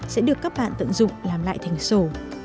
sẽ được các bạn tận dụng làm lại thành sổ